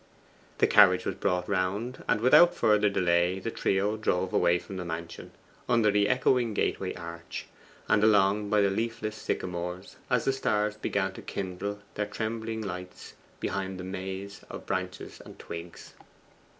The carriage was brought round, and without further delay the trio drove away from the mansion, under the echoing gateway arch, and along by the leafless sycamores, as the stars began to kindle their trembling lights behind the maze of branches and twigs.